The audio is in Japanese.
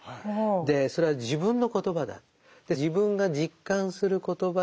でそれは自分の言葉だ。